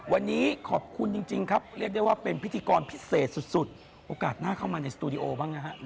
วันนี้ขอบคุณจริงครับเรียกได้ว่าเป็นพิธีกรพิเศษสุดโอกาสหน้าเข้ามาในสตูดิโอบ้างนะฮะ